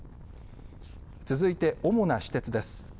続いて主な私鉄です。